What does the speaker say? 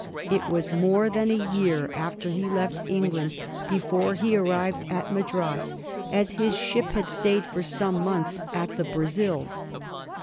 It was more than a year after he left England before he arrived at Madras, as his ship had stayed for some months at the Brazils.